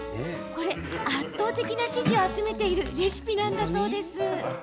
これ、圧倒的な支持を集めているレシピなんだそうです。